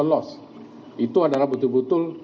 lolos itu adalah betul betul